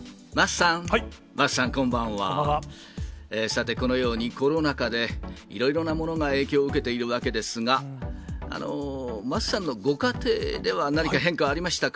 さて、このようにコロナ禍でいろいろなものが影響を受けているわけですが、桝さんのご家庭では、何か変化はありましたか？